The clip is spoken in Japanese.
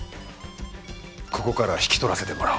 ここからは引き取らせてもらおうか。